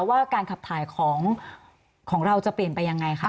ว่าการขับถ่ายของเราจะเปลี่ยนไปยังไงคะ